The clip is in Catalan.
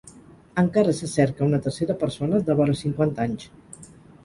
Encara se cerca una tercera persona, de vora cinquanta anys.